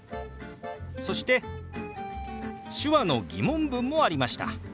そして手話の疑問文もありました。